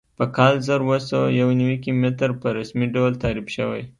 په کال زر اووه سوه یو نوي کې متر په رسمي ډول تعریف شوی.